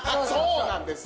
そうなんです！